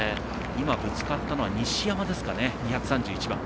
今、ぶつかったのは西山ですかね、２３１番。